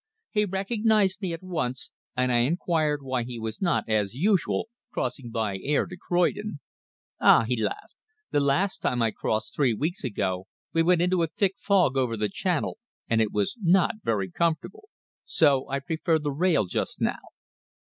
He recognized me at once, and I inquired why he was not, as usual, crossing by air to Croydon. "Ah!" he laughed. "The last time I crossed three weeks ago we went into a thick fog over the Channel, and it was not very comfortable. So I prefer the rail just now."